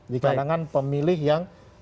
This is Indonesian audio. dikadangkan pemilih yang